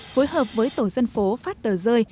phối hợp với tổ dân phố phát tờ rơi